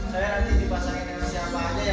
saya nanti dipasangin dengan siapa aja ya